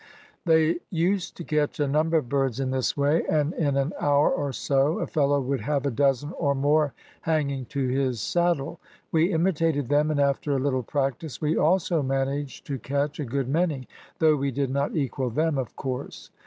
They used to catch a number of birds in this way, and in an hour or so a fellow would have a dozen or more hanging to his saddle. We imitated them, and after a little practice we also managed to catch a good many, though we did not equal them, of course.